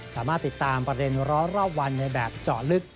สามารถติดตามประเด็นร้อนรอบวันในแบบเจาะลึก